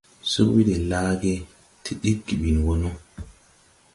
Sug ɓi de laage, ti ɗiggi ɓin wɔ no.